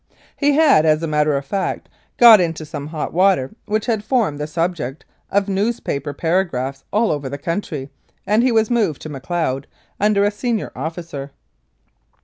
He had, as a matter of fact, got into some hot water which had formed the subject of news paper paragraphs all over the country, and he was moved to Macleod under a senior officer.